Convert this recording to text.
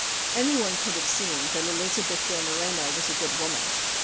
Any one could have seen that Elizabeth de Moreno was a good woman.